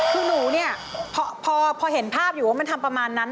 คือหนูเนี่ยพอเห็นภาพอยู่ว่ามันทำประมาณนั้น